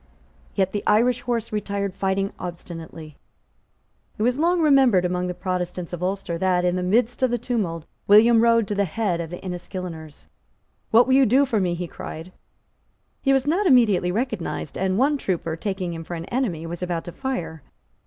Yet the Irish horse retired fighting obstinately. It was long remembered among the Protestants of Ulster that, in the midst of the tumult, William rode to the head of the Enniskilleners. "What will you do for me?" he cried. He was not immediately recognised; and one trooper, taking him for an enemy, was about to fire.